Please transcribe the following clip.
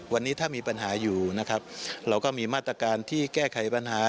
วันนี้ถ้ามีปัญหาอยู่นะครับเราก็มีมาตรการที่แก้ไขปัญหา